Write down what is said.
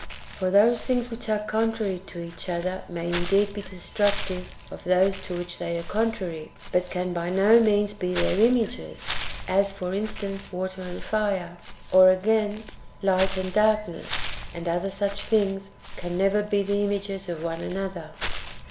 For those things which are contrary to each other may indeed be de structive of those to which they are contrary, but can by no means be their images — as, for instance, %vater and fire : or, again, light and darkness, and other such things, can never be the images of one another.